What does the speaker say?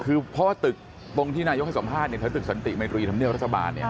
คือเพราะว่าตึกที่นายกให้สัมภาษณ์ถ้าตึกสันติกไม่รีดำเนียวรัฐบาล